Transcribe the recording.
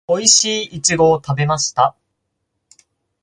おいしいイチゴを食べました